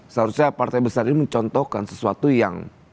seharusnya partai besar ini mencontohkan sesuatu yang